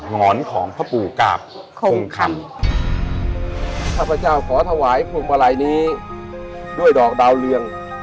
หอนของพ่อปู่กาบพงคำข้าพเจ้าขอถวายพวงมาลัยนี้ด้วยดอกดาวเรือง